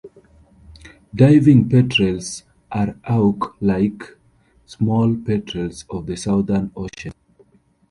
Diving petrels are auk-like small petrels of the southern oceans.